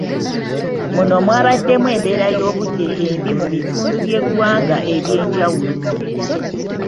Muno mwabaddemu embeera y'obudde embi mu bitundu by'eggwanga ebyenjawulo.